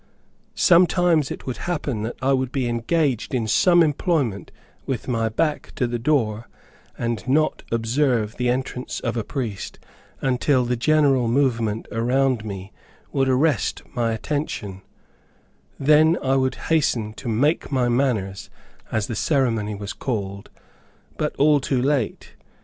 Sometimes it would happen that I would be engaged in some employment with my back to the door, and not observe the entrance of a priest until the general movement around me would arrest my attention; then I would hasten to "make my manners," as the ceremony was called; but all too late.